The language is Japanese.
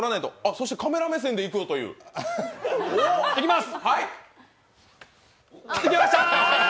そしてカメラ目線でいこうという。いきます！